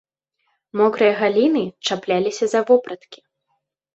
Мокрыя галіны чапляліся за вопраткі.